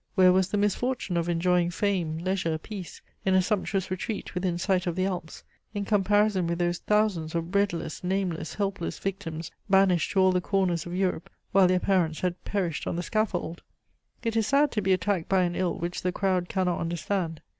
Where was the misfortune of enjoying fame, leisure, peace, in a sumptuous retreat within sight of the Alps, in comparison with those thousands of breadless, nameless, helpless victims, banished to all the corners of Europe, while their parents had perished on the scaffold? It is sad to be attacked by an ill which the crowd cannot understand.